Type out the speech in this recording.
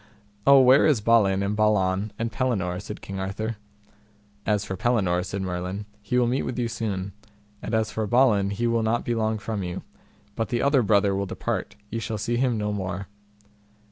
Oh, where is Balin and Balan and Pellinore? said King Arthur. As for Pellinore, said Merlin, he will meet with you soon; and as for Balin he will not be long from you; but the other brother will depart, ye shall see him no more.